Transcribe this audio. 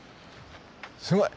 すごい！